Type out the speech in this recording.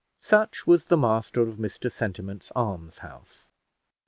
Such was the master of Mr Sentiment's "Almshouse."